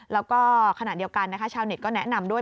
แล้วก็ขณะเดียวกันนะคะชาวเน็ตก็แนะนำด้วย